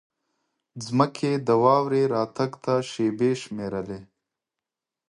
ځمکې د واورې راتګ ته شېبې شمېرلې.